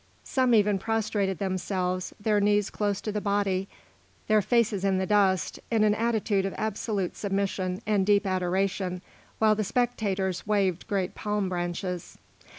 Some even prostrated themselves, their knees close to the body, their faces in the dust, in an attitude of absolute submission and deep adoration, while the spectators waved great palm branches.